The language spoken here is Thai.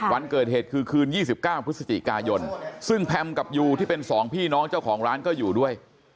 วันเกิดเหตุคือคืน๒๙พฤศจิกายนซึ่งแพมกับยูที่เป็นสองพี่น้องเจ้าของร้านก็อยู่ด้วย